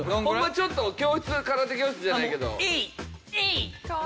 ちょっと空手教室じゃないけど。